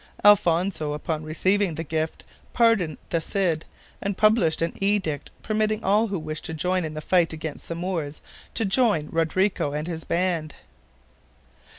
Alfonso, upon receiving the gift, pardoned the Cid, and published an edict permitting all who wished to join in the fight against the Moors to join Rodrigo and his band.